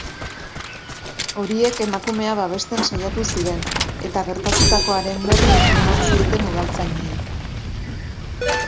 Horiek emakumea babesten saiatu ziren, eta, gertatukoaren berri eman zieten udaltzainei.